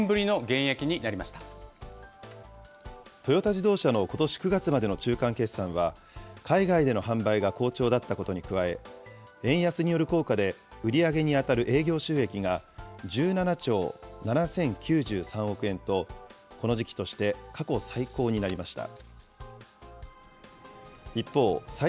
よろし初めはトヨタ自動車の中間決最終的な利益が２年ぶりの減トヨタ自動車のことし９月までの中間決算は、海外での販売が好調だったことに加え、円安による効果で、売り上げに当たる営業収益が１７兆７０９３億円と、この時期として過去最高になりました。